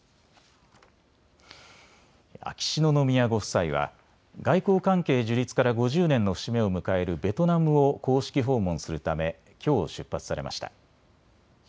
秋篠宮ご夫妻は外交関係樹立から５０年の節目を迎えるベトナムを公式訪問するためきょう出発されました。